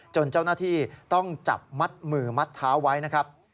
เจ้าหน้าที่ต้องจับมัดมือมัดเท้าไว้นะครับ